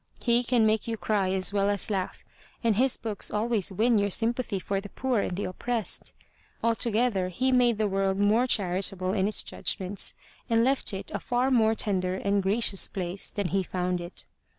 He can make you cry as well as laugh and his books always win your sympathy for the poor and the oppressed. Altogether, he made the world more charitable in its judgments and left it a far more tender and gracious place than he found it.